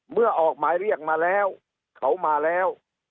เมื่อออกหมายเรียกมาแล้วเขามาแล้ว